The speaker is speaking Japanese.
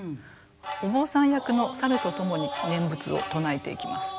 お坊さん役の猿と共に念仏を唱えていきます。